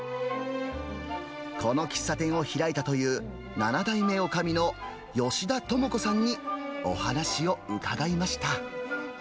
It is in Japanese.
この喫茶店を開いたという７代目おかみの吉田智子さんにお話を伺いました。